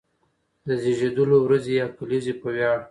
د زېږېدلو ورځې يا کليزې په وياړ،